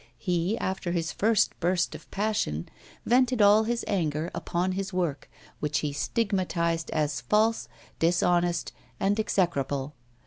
He, after his first burst of passion, vented all his anger upon his work, which he stigmatised as false, dishonest, and execrable.